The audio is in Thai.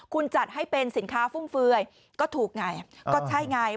คุณจัดให้เป็นสินค้าฟุ่มเฟือยก็ถูกไงก็ใช่ไง